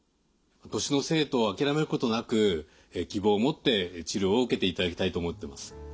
年のせいと諦めることなく希望を持って治療を受けていただきたいと思ってます。